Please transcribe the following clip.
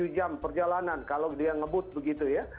tujuh jam perjalanan kalau dia ngebut begitu ya